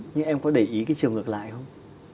nhưng em có để ý cái chiều ngược lại không